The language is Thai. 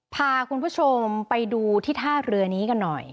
พาคุณผู้ชมไปดูที่ท่าเรือนี้กันหน่อย